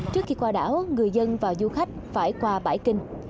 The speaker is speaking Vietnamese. trước khi qua đảo người dân và du khách phải qua bãi kinh